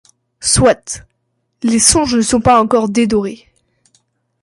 Soit. Les songes ne sont pas encor dédorés